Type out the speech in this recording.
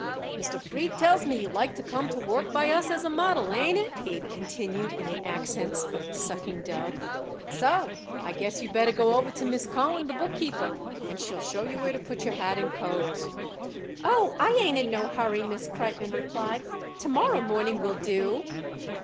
"Mr. Fried tells me you like to come to work by us as a model. Ain't it?" Abe continued in the accents of the sucking dove. "So, I guess you'd better go over to Miss Cohen, the bookkeeper, and she'll show you where to put your hat and coat." "Oh, I ain't in no hurry," Miss Kreitmann replied. "To morrow morning will do."